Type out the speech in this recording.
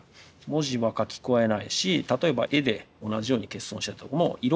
文字は書き加えないし例えば絵で同じように欠損したとこも色は入れない。